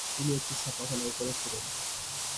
তিনি একটি ছাপাখানাও করেছিলেন।